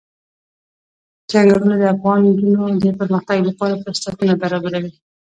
چنګلونه د افغان نجونو د پرمختګ لپاره فرصتونه برابروي.